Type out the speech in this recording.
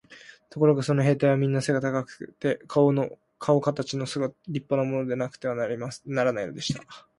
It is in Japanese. ところがその兵隊はみんな背が高くて、かおかたちの立派なものでなくてはならないのでした。